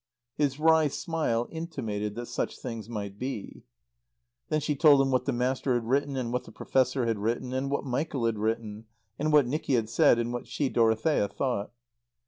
His wry smile intimated that such things might be. Then she told him what the Master had written and what the Professor had written and what Michael had written, and what Nicky had said, and what she, Dorothea thought.